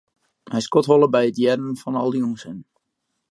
Hy skodholle by it hearren fan al dy ûnsin.